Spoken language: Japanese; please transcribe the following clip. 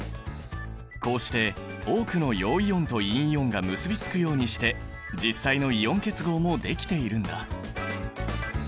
こうして多くの陽イオンと陰イオンが結びつくようにして実際のイオン結合もできているんだ。